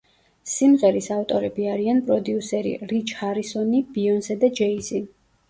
სიმღერის ავტორები არიან პროდიუსერი რიჩ ჰარისონი, ბიონსე და ჯეი-ზი.